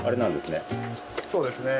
そうですね。